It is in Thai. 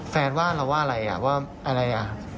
แฟนว่าเราว่าอะไรว่าอะไร